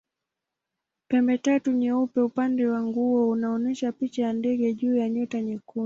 Pembetatu nyeupe upande wa nguzo unaonyesha picha ya ndege juu ya nyota nyekundu.